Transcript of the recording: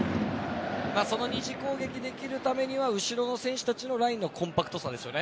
その２次攻撃できるためには後ろの選手たちのラインのコンパクトさ。